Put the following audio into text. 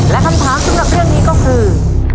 และคำถามสำหรับเรื่องนี้ก็คือ